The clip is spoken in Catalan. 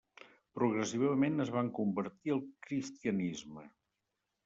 Progressivament es van convertir al cristianisme.